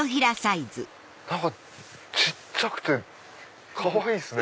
小っちゃくてかわいいっすね。